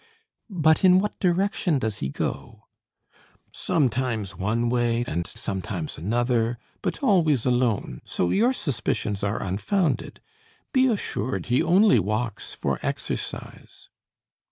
"But in what direction does he go?" "Sometimes one way, and sometimes another, but always alone; so your suspicions are unfounded. Be assured, he only walks for exercise."